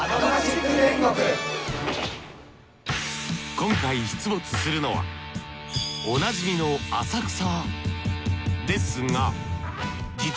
今回出没するのはおなじみの浅草。